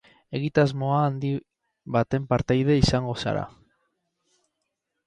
Egitasmoa handi baten partaide izango zara.